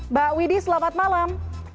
mbak widih selamat malam